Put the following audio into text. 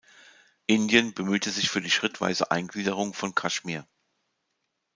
Indien bemühte sich für die schrittweise Eingliederung von Kaschmir.